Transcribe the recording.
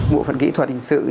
bộ phận kỹ thuật hình sự